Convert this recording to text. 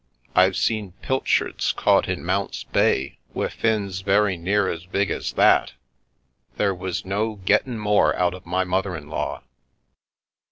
I've seen pilchards caught in Mount's Bay wi' fins very near as big as that !' There was no gettin' more out of my mother in law."